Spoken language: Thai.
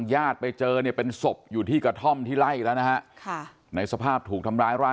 ยาดไปเจอเป็นศพอยู่ที่กระท่อมที่ไล่แหละในสภาพถูกทำร้ายร่างกาย